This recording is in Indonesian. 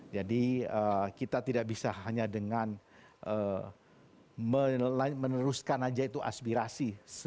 jadi kita tidak bisa hanya dengan meneruskan aja itu aspirasi